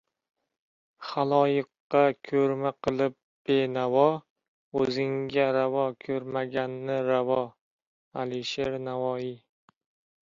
Xaloyiqqa ko‘rma qilib benavo, O‘zingga ravo ko‘rmaganni ravo. Alisher Navoiy